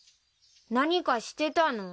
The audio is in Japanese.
何かしてたの？